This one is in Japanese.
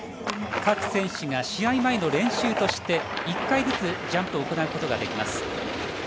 各選手が試合前の練習として１回ずつジャンプを行うことができます。